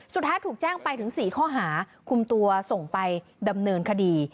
สุดท้ายถูกแจ้งไปถึง๔ข้อหาคุมตัวส่งไปดำเนินคดี